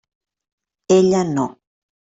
Ella no.